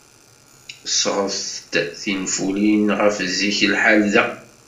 Sɣet-d tinfulin ɣef zik lḥal da.